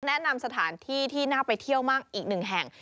แนะนำสถานที่ที่น่าไปเที่ยวมากอีกหนึ่งแห่ง